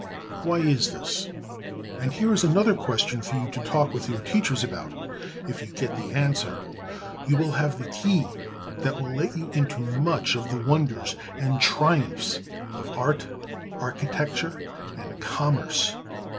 Why is this? And here is another question for you to talk with your teachers about. If you get the answer, you will have the key that will let you into much of the wonders and triumphs of art, architecture, and commerce.